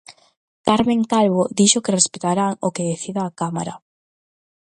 Carmen Calvo dixo que respectarán o que decida a Cámara.